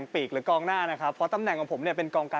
นึกฝาก